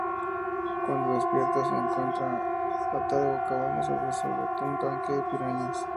Cuando Despierta, se encuentra atado boca abajo sobre un tanque de pirañas.